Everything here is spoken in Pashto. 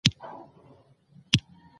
د مرکب ټوټه کیدل تفکیک بلل کیږي.